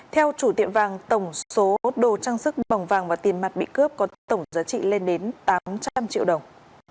theo chủ tiệm vàng tổng số đồ trang sức bỏng vàng và tiền mặt bị cướp có tổng giá trị lên đến tám trăm linh triệu đồng